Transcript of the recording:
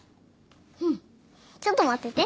うんちょっと待ってて。